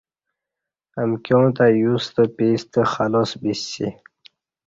امکیاں تہ یوستہ پیستہ خلاس بیسی